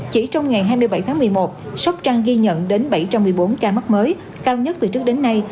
chỉ trong ngày hai mươi bảy tháng một mươi một sóc trăng ghi nhận đến bảy trăm một mươi bốn ca mắc mới cao nhất từ trước đến nay